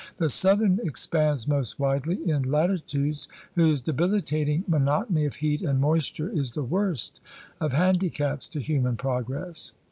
The southern ex pands most widely in latitudes whose debilitating monotony of heat and moisture is the worst of handicaps to human progress.